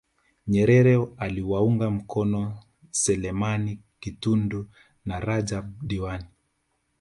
Nyerere aliwaunga mkono Selemani Kitundu na Rajab Diwani